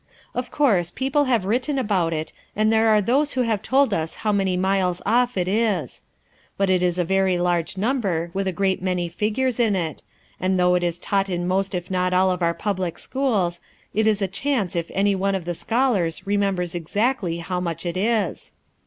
Of course, people have written about it, and there are those who have told us how many miles off it is. But it is a very large number, with a great many figures in it; and though it is taught in most if not all of our public schools, it is a chance if any one of the scholars remembers exactly how much it is.